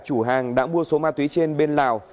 chủ hàng đã mua số ma túy trên bên lào